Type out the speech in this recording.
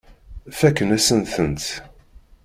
Fakken-asen-tent.